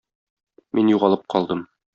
Мин югалып калдым.